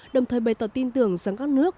đồng thời bày tỏ tin tưởng rằng các nước